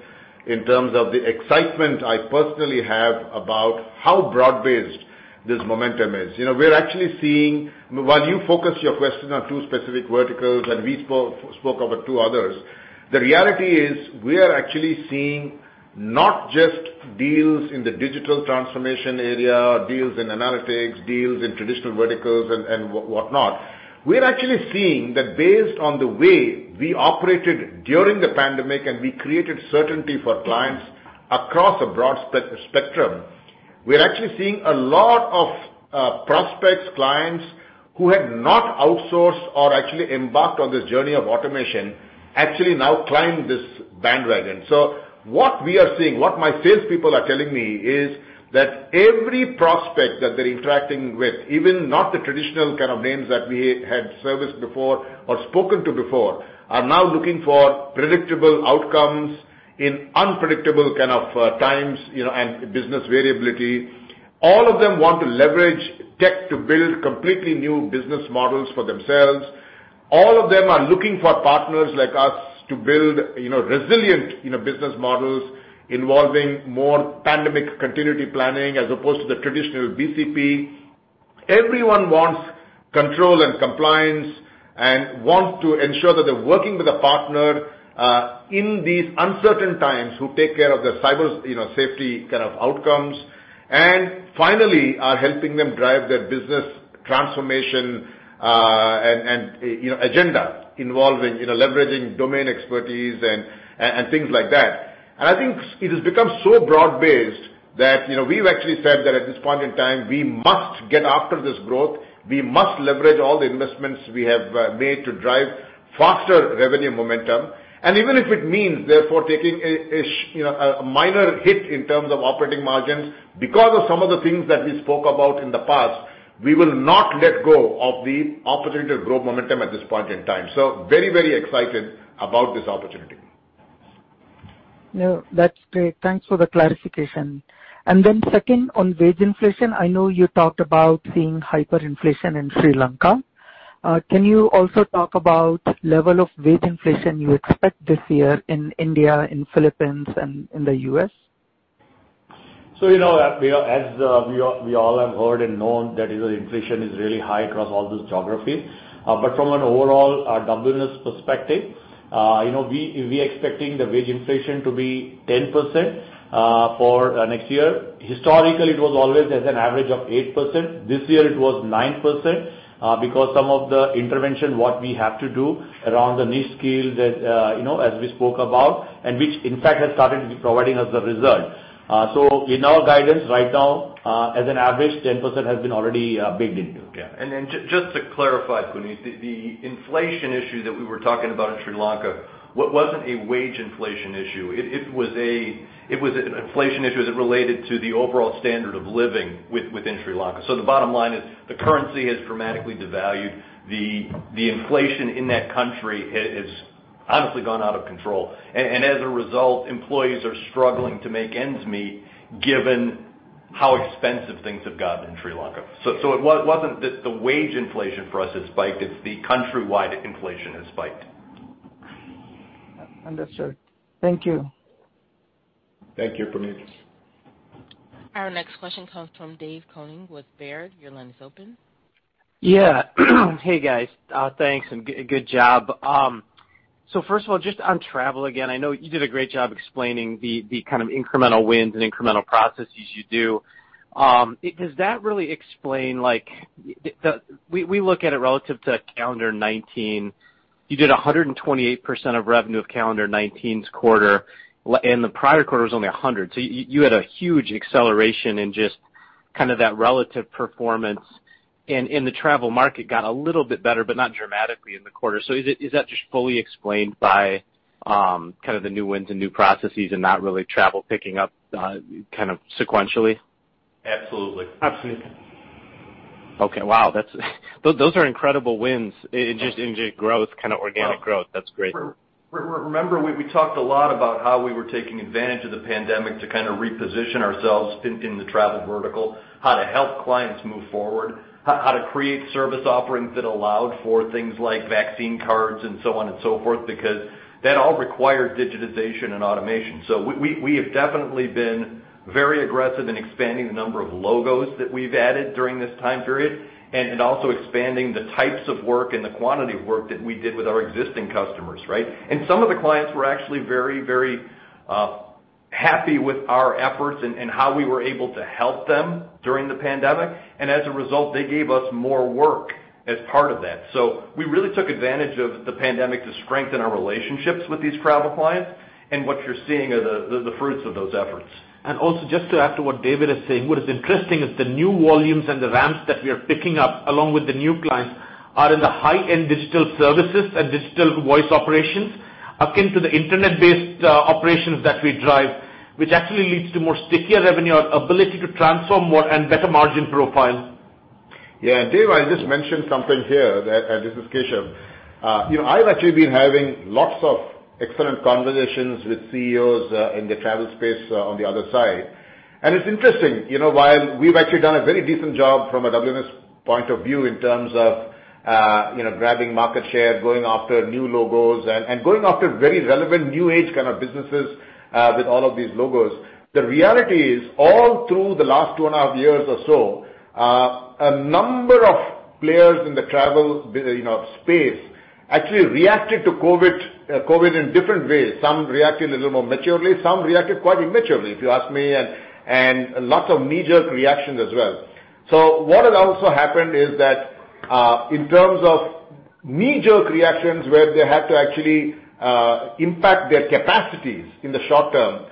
in terms of the excitement I personally have about how broad-based this momentum is. You know, we're actually seeing while you focus your question on two specific verticals, and we spoke about two others, the reality is we are actually seeing not just deals in the digital transformation area, deals in analytics, deals in traditional verticals and whatnot. We're actually seeing that based on the way we operated during the pandemic, and we created certainty for clients across a broad spectrum. We are actually seeing a lot of prospects, clients who had not outsourced or actually embarked on this journey of automation, actually now climb this bandwagon. What we are seeing, what my salespeople are telling me is that every prospect that they're interacting with, even not the traditional kind of names that we had serviced before or spoken to before, are now looking for predictable outcomes in unpredictable kind of times, you know, and business variability. All of them want to leverage tech to build completely new business models for themselves. All of them are looking for partners like us to build, you know, resilient, you know, business models involving more pandemic continuity planning as opposed to the traditional BCP. Everyone wants control and compliance and want to ensure that they're working with a partner in these uncertain times who take care of their cyber, you know, safety kind of outcomes. Finally, we are helping them drive their business transformation, and you know, agenda involving you know, leveraging domain expertise and things like that. I think it has become so broad-based that you know, we've actually said that at this point in time, we must get after this growth. We must leverage all the investments we have made to drive faster revenue momentum. Even if it means therefore, taking a you know, a minor hit in terms of operating margins because of some of the things that we spoke about in the past, we will not let go of the opportunity to grow momentum at this point in time. Very very excited about this opportunity. No, that's great. Thanks for the clarification. Second on wage inflation, I know you talked about seeing hyperinflation in Sri Lanka. Can you also talk about level of wage inflation you expect this year in India, in Philippines and in the U.S.? You know, we all have heard and known that inflation is really high across all these geographies. From an overall WNS perspective, you know, we expecting the wage inflation to be 10% for next year. Historically, it was always as an average of 8%. This year it was 9% because some of the intervention what we have to do around the niche skill that, you know, as we spoke about, and which in fact has started providing us the results. In our guidance right now, as an average, 10% has been already baked into. Yeah. Just to clarify, Puneet, the inflation issue that we were talking about in Sri Lanka wasn't a wage inflation issue. It was an inflation issue as it related to the overall standard of living within Sri Lanka. The bottom line is the currency has dramatically devalued. The inflation in that country has honestly gone out of control. As a result, employees are struggling to make ends meet given how expensive things have gotten in Sri Lanka. It wasn't that the wage inflation for us has spiked. It's the countrywide inflation has spiked. Understood. Thank you. Thank you, Puneet. Our next question comes from Dave Koning with Baird. Your line is open. Yeah. Hey, guys. Thanks and good job. First of all, just on travel again, I know you did a great job explaining the kind of incremental wins and incremental processes you do. Does that really explain like we look at it relative to calendar 2019. You did 128% of revenue of calendar 2019's quarter, and the prior quarter was only 100. You had a huge acceleration in just kind of that relative performance. The travel market got a little bit better, but not dramatically in the quarter. Is that just fully explained by kind of the new wins and new processes and not really travel picking up kind of sequentially? Absolutely. Absolutely. Okay. Wow, that's. Those are incredible wins in the growth, kind of organic growth. That's great. Remember, we talked a lot about how we were taking advantage of the pandemic to kind of reposition ourselves in the travel vertical, how to help clients move forward, how to create service offerings that allowed for things like vaccine cards and so on and so forth, because that all required digitization and automation. We have definitely been very aggressive in expanding the number of logos that we've added during this time period, and also expanding the types of work and the quantity of work that we did with our existing customers, right? Some of the clients were actually very happy with our efforts and how we were able to help them during the pandemic. As a result, they gave us more work as part of that. We really took advantage of the pandemic to strengthen our relationships with these travel clients. What you're seeing are the fruits of those efforts. Just to add to what David is saying, what is interesting is the new volumes and the ramps that we are picking up along with the new clients are in the high-end digital services and digital voice operations, akin to the internet-based operations that we drive, which actually leads to more stickier revenue and ability to transform more and better margin profile. Yeah. Dave, I'll just mention something here that this is Keshav. You know, I've actually been having lots of excellent conversations with CEOs in the travel space on the other side. It's interesting, you know, while we've actually done a very decent job from a WNS point of view in terms of, you know, grabbing market share, going after new logos and going after very relevant new age kind of businesses with all of these logos. The reality is, all through the last 2.5 years or so, a number of players in the travel space actually reacted to COVID in different ways. Some reacted a little more maturely, some reacted quite immaturely, if you ask me, and lots of knee-jerk reactions as well. What has also happened is that, in terms of knee-jerk reactions where they had to actually impact their capacities in the short term,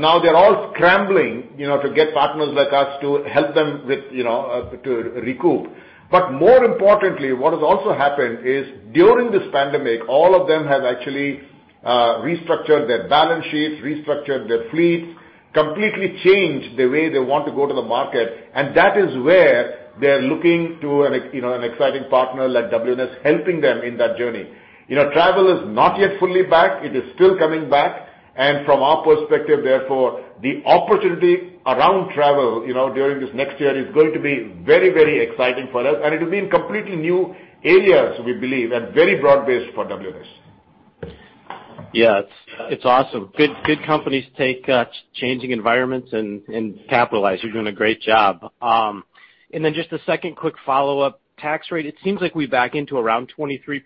now they're all scrambling, you know, to get partners like us to help them with, you know, to recoup. More importantly, what has also happened is during this pandemic, all of them have actually restructured their balance sheets, restructured their fleets, completely changed the way they want to go to the market, and that is where they're looking to an exciting partner like WNS helping them in that journey. You know, travel is not yet fully back. It is still coming back. From our perspective, therefore, the opportunity around travel, you know, during this next year is going to be very, very exciting for us, and it will be in completely new areas, we believe, and very broad-based for WNS. Yeah. It's awesome. Good companies take changing environments and capitalize. You're doing a great job. Then just a second quick follow-up. Tax rate, it seems like we back into around 23%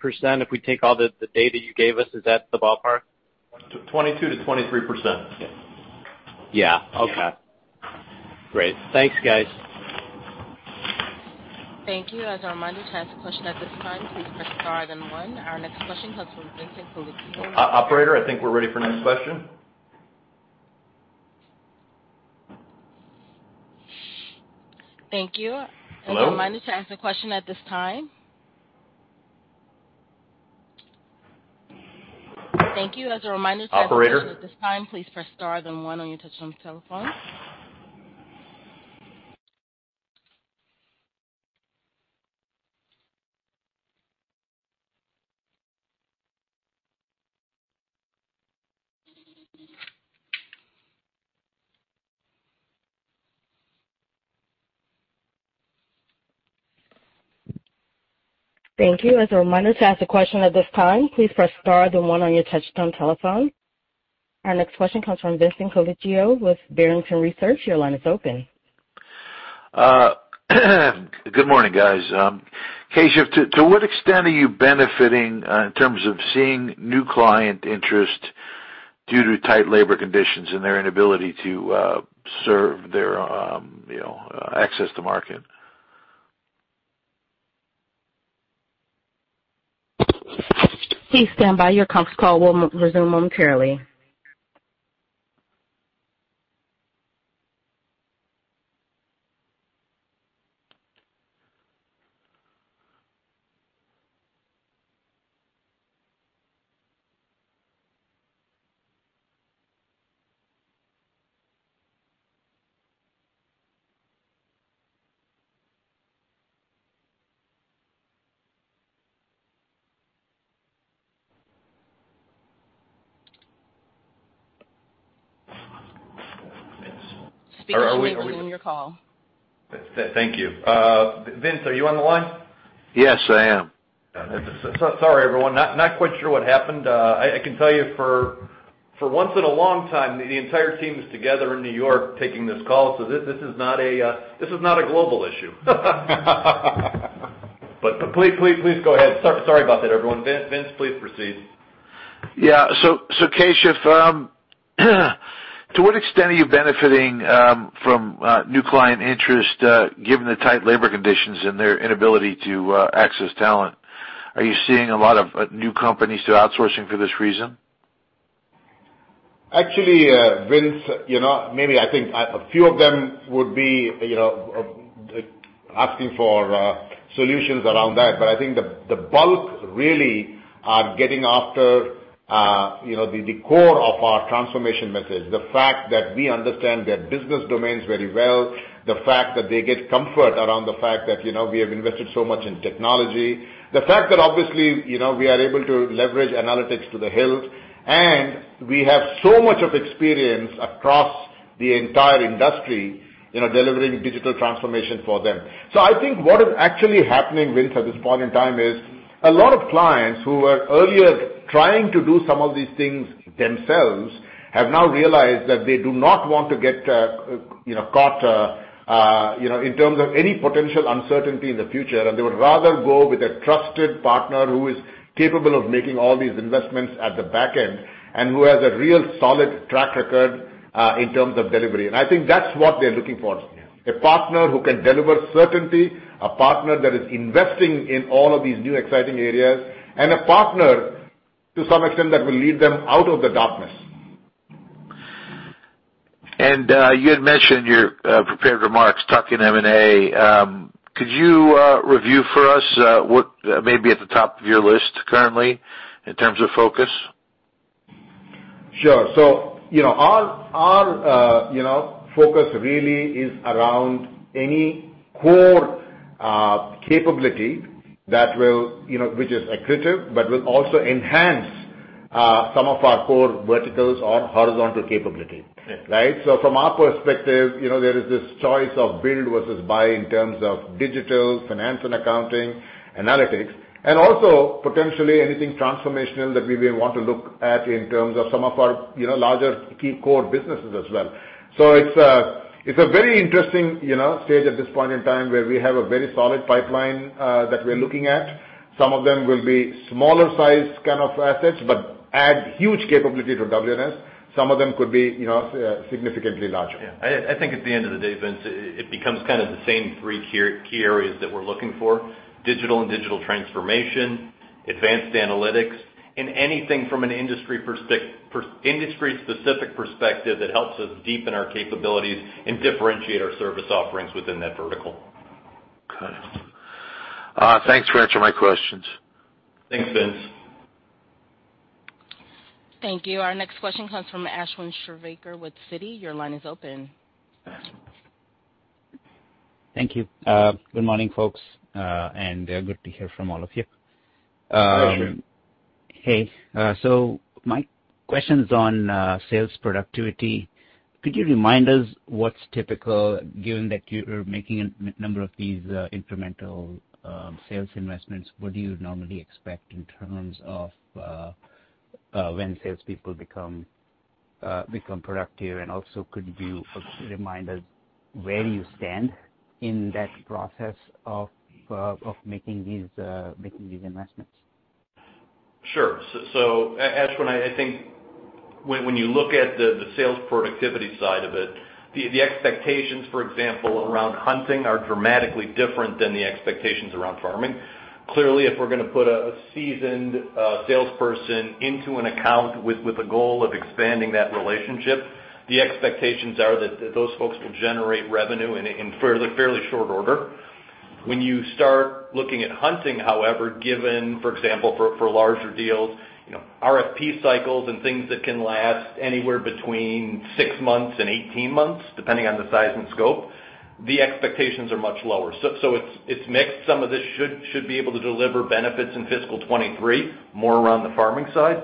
if we take all the data you gave us. Is that the ballpark? 22%-23%. Yes. Yeah. Okay. Great. Thanks, guys. Thank you. As a reminder, to ask a question at this time, please press star then one. Our next question comes from Vincent Colicchio. Operator, I think we're ready for next question. Thank you. Hello? As a reminder, to ask a question at this time... Thank you. As a reminder to- Operator? To ask a question at this time, please press star then one on your touchtone telephone. Thank you. As a reminder, to ask a question at this time, please press star then one on your touchtone telephone. Our next question comes from Vincent Colicchio with Barrington Research. Your line is open. Good morning, guys. Keshav, to what extent are you benefiting in terms of seeing new client interest due to tight labor conditions and their inability to serve their access to market? Please stand by. Your conference call will resume momentarily. Speaking to you when you join your call. Thank you. Vince, are you on the line? Yes, I am. Sorry, everyone. Not quite sure what happened. I can tell you for once in a long time, the entire team is together in New York taking this call. This is not a global issue. Please go ahead. Sorry about that, everyone. Vince, please proceed. Yeah. Keshav, to what extent are you benefiting from new client interest given the tight labor conditions and their inability to access talent? Are you seeing a lot of new companies do outsourcing for this reason? Actually, Vince, you know, maybe I think a few of them would be, you know, asking for solutions around that. I think the bulk really are getting after, you know, the core of our transformation message. The fact that we understand their business domains very well, the fact that they get comfort around the fact that, you know, we have invested so much in technology. The fact that obviously, you know, we are able to leverage analytics to the hilt, and we have so much of experience across the entire industry, you know, delivering digital transformation for them. I think what is actually happening, Vince, at this point in time is, a lot of clients who were earlier trying to do some of these things themselves have now realized that they do not want to get, you know, caught, you know, in terms of any potential uncertainty in the future, and they would rather go with a trusted partner who is capable of making all these investments at the back end and who has a real solid track record, in terms of delivery. I think that's what they're looking for, a partner who can deliver certainty, a partner that is investing in all of these new exciting areas, and a partner to some extent that will lead them out of the darkness. You had mentioned your prepared remarks, tuck-in M&A. Could you review for us what may be at the top of your list currently in terms of focus? Sure. You know, our focus really is around any core capability that will, you know, which is accretive, but will also enhance some of our core verticals or horizontal capability. Yeah. Right? From our perspective, you know, there is this choice of build versus buy in terms of digital, finance and accounting, analytics, and also potentially anything transformational that we may want to look at in terms of some of our, you know, larger key core businesses as well. It's a very interesting, you know, stage at this point in time where we have a very solid pipeline that we're looking at. Some of them will be smaller sized kind of assets, but add huge capability to WNS. Some of them could be, you know, significantly larger. Yeah. I think at the end of the day, Vince, it becomes kinda the same three key areas that we're looking for. Digital and digital transformation, advanced analytics, and anything from an industry-specific perspective that helps us deepen our capabilities and differentiate our service offerings within that vertical. Got it. Thanks for answering my questions. Thanks, Vince. Thank you. Our next question comes from Ashwin Shirvaikar with Citi. Your line is open. Ashwin. Thank you. Good morning, folks, and good to hear from all of you. Good morning. Hey, my question is on sales productivity. Could you remind us what's typical given that you are making a number of these incremental sales investments? What do you normally expect in terms of when salespeople become productive? Also could you remind us where you stand in that process of making these investments? Sure. Ashwin, I think when you look at the sales productivity side of it, the expectations, for example, around hunting are dramatically different than the expectations around farming. Clearly, if we're gonna put a seasoned salesperson into an account with the goal of expanding that relationship, the expectations are that those folks will generate revenue in fairly short order. When you start looking at hunting, however, given, for example, for larger deals, you know, RFP cycles and things that can last anywhere between 6-18 months, depending on the size and scope, the expectations are much lower. It's mixed. Some of this should be able to deliver benefits in fiscal 2023, more around the farming side,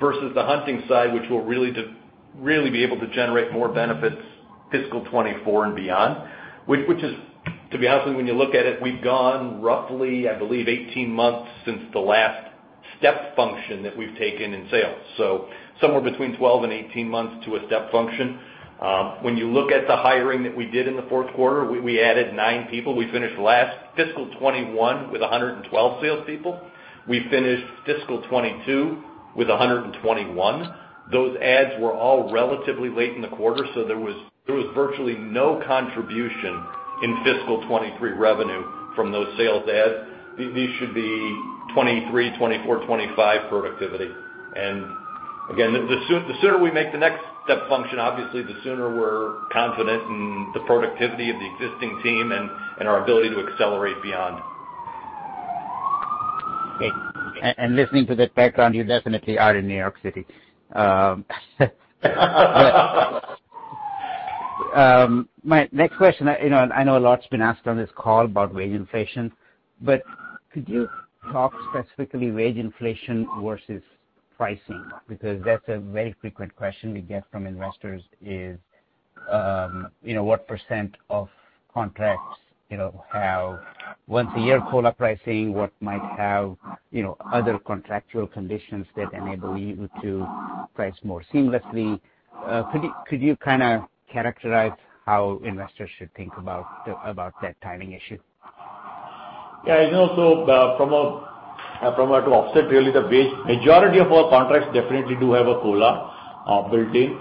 versus the hunting side, which will really be able to generate more benefits fiscal 2024 and beyond. Which is. To be honest with you, when you look at it, we've gone roughly, I believe, 18 months since the last step function that we've taken in sales. So somewhere between 12 and 18 months to a step function. When you look at the hiring that we did in the fourth quarter, we added nine people. We finished last fiscal 2021 with 112 salespeople. We finished fiscal 2022 with 121. Those adds were all relatively late in the quarter, so there was virtually no contribution in fiscal 2023 revenue from those sales adds. These should be 2023, 2024, 2025 productivity. Again, the sooner we make the next step function, obviously, the sooner we're confident in the productivity of the existing team and our ability to accelerate beyond. Great. Listening to that background, you definitely are in New York City. My next question, you know, and I know a lot's been asked on this call about wage inflation, but could you talk specifically wage inflation versus pricing, because that's a very frequent question we get from investors is, you know, what percent of contracts, you know, have once a year COLA pricing, what might have, you know, other contractual conditions that enable you to price more seamlessly. Could you kinda characterize how investors should think about that timing issue? Yeah, you know, from a to offset really the wage, majority of our contracts definitely do have a COLA built in.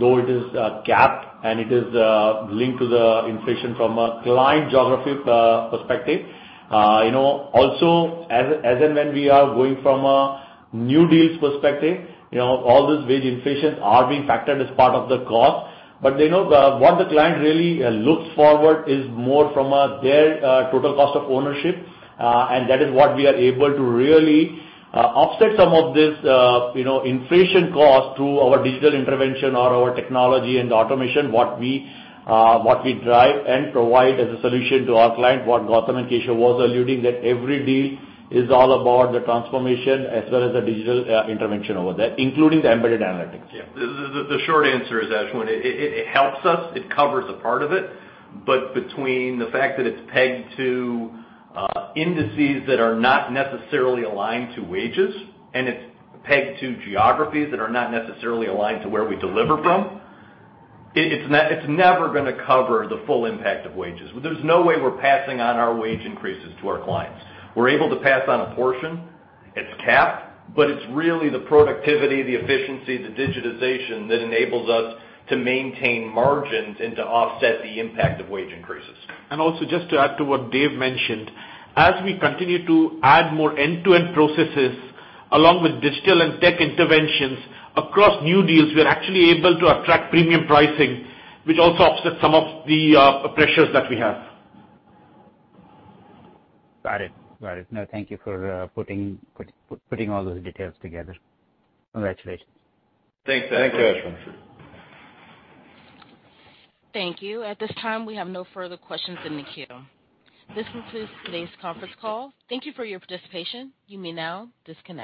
Though it is capped, and it is linked to the inflation from a client geography perspective. You know, also as in when we are going from a new deals perspective, you know, all these wage inflation are being factored as part of the cost. You know, what the client really looks forward is more from a their total cost of ownership. that is what we are able to really offset some of this you know inflation costs through our digital intervention or our technology and automation, what we drive and provide as a solution to our client, what Gautam and Keshav was alluding, that every deal is all about the transformation as well as the digital intervention over there, including the embedded analytics. Yeah. The short answer is, Ashwin, it helps us, it covers a part of it. Between the fact that it's pegged to indices that are not necessarily aligned to wages, and it's pegged to geographies that are not necessarily aligned to where we deliver from, it's never gonna cover the full impact of wages. There's no way we're passing on our wage increases to our clients. We're able to pass on a portion, it's capped, but it's really the productivity, the efficiency, the digitization that enables us to maintain margins and to offset the impact of wage increases. Just to add to what Dave mentioned, as we continue to add more end-to-end processes along with digital and tech interventions across new deals, we are actually able to attract premium pricing, which also offsets some of the pressures that we have. Got it. No, thank you for putting all those details together. Congratulations. Thanks, Ashwin. Thanks, Ashwin. Thank you. At this time, we have no further questions in the queue. This concludes today's conference call. Thank you for your participation. You may now disconnect.